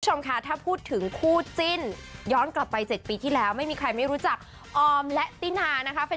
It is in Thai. คุณผู้ชมค่ะถ้าพูดถึงคู่จิ้นย้อนกลับไป๗ปีที่แล้วไม่มีใครไม่รู้จักออมและตินานะคะ